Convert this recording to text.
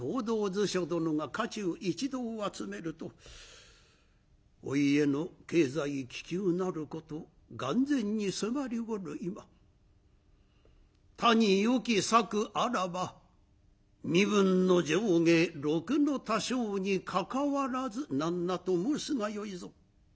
図書殿が家中一同を集めると「お家の経済危急なること眼前にすがりおる今他によき策あらば身分の上下禄の多少にかかわらず何なと申すがよいぞ」。